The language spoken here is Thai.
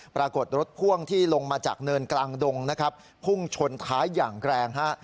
ปรากฏรถพ่วงที่ลงมาจากเนินกลางดงนะครับพุ่งชนท้ายอย่างแรงฮะ